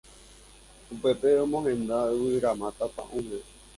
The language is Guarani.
Upépe oñemohenda yvyramáta pa'ũme